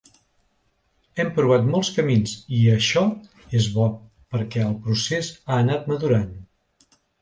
Hem provat molts camins i això és bo perquè el procés ha anat madurant.